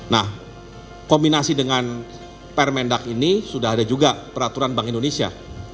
nah kombinasi dengan permendak ini sudah ada juga peraturan bank indonesia